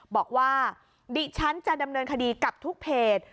บอกว่าดิฉันจะดำเนินคดีกับทุกเพจ